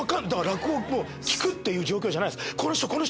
だから落語もう聞くっていう状況じゃないです。